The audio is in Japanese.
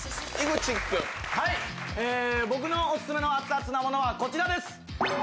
僕のオススメのアツアツなものはこちらです。